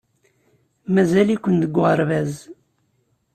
Mazal-iken deg uɣerbaz.